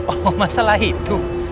oh masalah itu